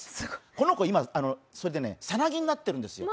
この子、今さなぎになってるんですよ。